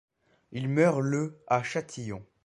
Il meurt le à Châtillon.